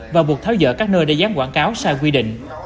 và buộc theo dõi các nơi đề gián quảng cáo sai quy định